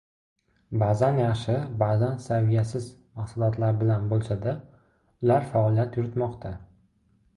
Ba’zan yaxshi, ba’zan saviyasiz mahsulotlar bilan bo‘lsa-da, ular faoliyat yuritmoqda.